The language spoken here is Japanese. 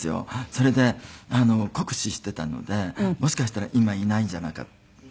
それで酷使していたのでもしかしたら今いないんじゃないかなって。